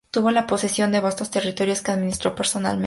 Tuvo la posesión de vastos territorios, que administró personalmente.